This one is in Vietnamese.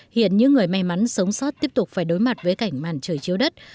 hiện những người may mắn sống sót tiếp tục phải đối mặt với cảnh màn trời chiếu đất